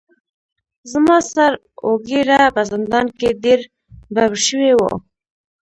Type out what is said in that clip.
زما سر اوږېره په زندان کې ډیر ببر شوي وو.